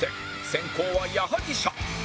先攻は矢作舎